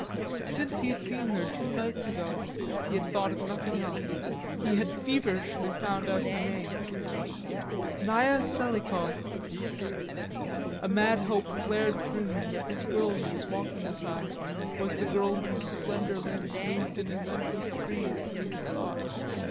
Since he had seen her two nights ago, he had thought of nothing else. He had feverishly found out her name. "Naya Selikoff!" A mad hope flared through him that this girl he was walking beside was the girl whose slender limbs moved in an endless frieze through his thoughts.